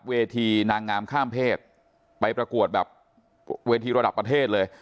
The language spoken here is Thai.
เวทีนางงามข้ามเพศไปประกวดแบบเวทีระดับประเทศเลย